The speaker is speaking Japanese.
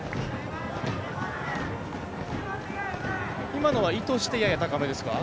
今のは意図してやや高めですか？